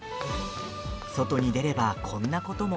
外に出れば、こんなことも。